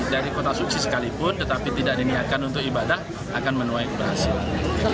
dari kota suksi sekalipun tetapi tidak diniatkan untuk ibadah akan menuai keberhasilan